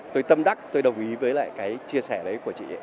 tôi tâm đắc tôi đồng ý với lại cái chia sẻ đấy của chị ấy